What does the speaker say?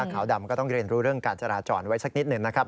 ขาวดำก็ต้องเรียนรู้เรื่องการจราจรไว้สักนิดหนึ่งนะครับ